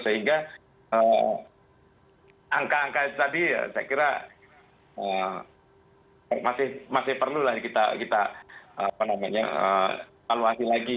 sehingga angka angka itu tadi saya kira masih perlu lah kita lalu laki lagi